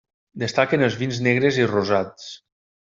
Destaquen els vins negres i rosats.